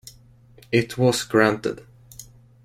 It was granted.